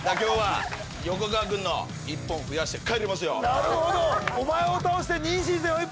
なるほど。